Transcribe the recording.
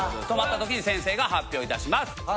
止まったときに先生が発表いたします。